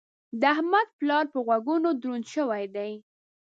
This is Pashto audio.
د احمد پلار په غوږو دروند شوی دی.